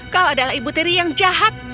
kau adalah ibu tiri yang jahat